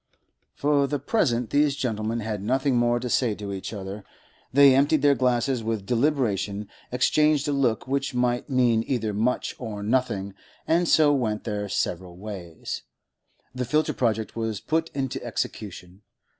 For the present these gentlemen had nothing more to say to each other; they emptied their glasses with deliberation, exchanged a look which might mean either much or nothing, and so went their several ways. The filter project was put into execution.